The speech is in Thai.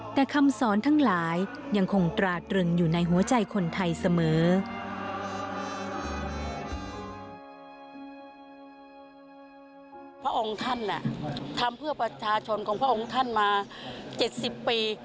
พระองค์ท่านทำเพื่อประชาชนของพระองค์ท่านมา๗๐ปี